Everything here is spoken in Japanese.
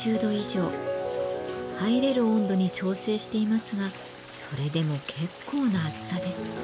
入れる温度に調整していますがそれでも結構な熱さです。